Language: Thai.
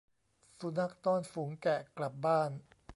สุนัขต้อนฝูงแกะกลับบ้าน